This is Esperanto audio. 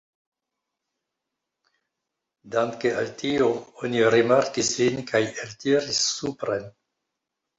Danke al tio oni rimarkis lin kaj eltiris supren.